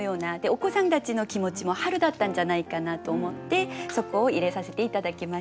お子さんたちの気持ちも春だったんじゃないかなと思ってそこを入れさせて頂きました。